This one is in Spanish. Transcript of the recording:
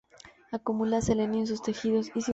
Acumula selenio en sus tejidos.